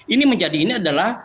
ini menjadi ini adalah